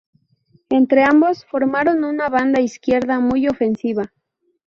Entre ambos formaron una banda izquierda muy ofensiva.